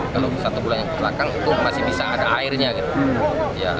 kalau satu bulan yang belakang itu masih bisa ada airnya gitu